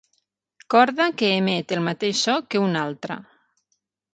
Corda que emet el mateix so que una altra.